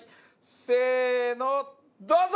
せーのどうぞ！